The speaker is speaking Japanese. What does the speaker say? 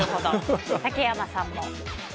竹山さんも？